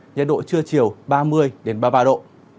nhiệt độ trưa chiều ba mươi ba mươi ba độ